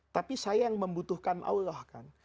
tapi saya yang membutuhkan allah kan